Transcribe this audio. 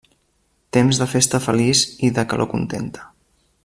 Temps de festa feliç i de calor contenta.